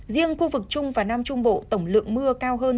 riêng khu vực trung và nam trung bộ tổng lượng mưa cao hơn